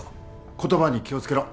言葉に気を付けろ。